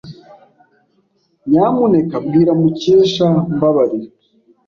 Nyamuneka bwira Mukesha Mbabarira.